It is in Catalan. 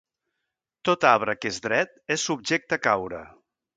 Tot arbre que és dret, és subjecte a caure.